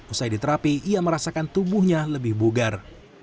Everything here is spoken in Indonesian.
usai diterapi ia merasakan tubuhnya lebih bugar